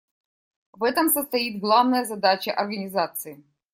В этом состоит главная задача Организации.